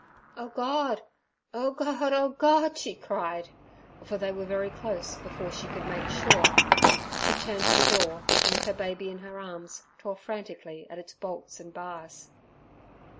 "Oh, God! Oh, God! Oh, God!" she cried, for they were very close before she could make sure. She turned to the door, and with her baby in her arms tore frantically at its bolts and bars.